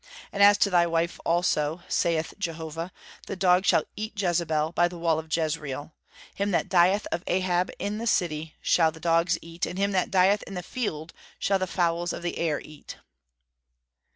And as to thy wife also, saith Jehovah, the dogs shall eat Jezebel by the wall of Jezreel. Him that dieth of Ahab in the city shall the dogs eat, and him that dieth in the field shall the fowls of the air eat."